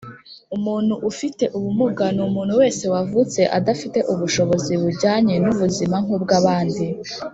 Umuntu ufite ubumuga ni umuntu wese wavutse adafite ubushobozi bujyanye n ubuzima nk ubw abandi